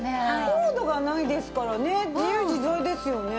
コードがないですからね自由自在ですよね。